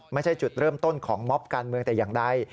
ไม่ใช่จุดเริ่มต้นของมอบการเมืองแต่อย่างใด